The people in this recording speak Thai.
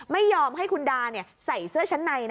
ไม่ยอมให้คุณดาใส่เสื้อชั้นใน